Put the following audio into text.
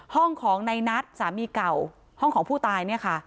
ห้องของในนัทสามีเก่าห้องของผู้ตายเนี่ยค่ะ